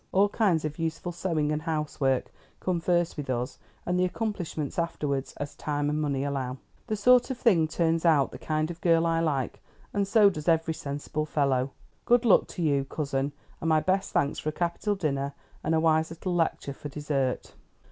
All kinds of useful sewing and housework come first with us, and the accomplishments afterward, as time and money allow." "That sort of thing turns out the kind of girl I like, and so does every sensible fellow. Good luck to you, cousin, and my best thanks for a capital dinner and a wise little lecture for dessert."